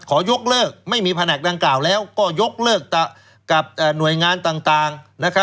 ยกเลิกไม่มีแผนกดังกล่าวแล้วก็ยกเลิกกับหน่วยงานต่าง